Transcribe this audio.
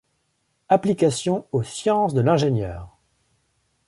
Applications aux sciences de l'ingénieur.